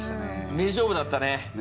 名勝負だったね。